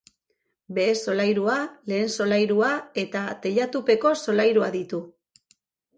Behe solairua, lehen solairua eta teilatupeko solairua ditu.